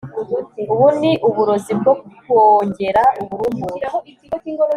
Ubu ni uburozi bwo kongera uburumbuke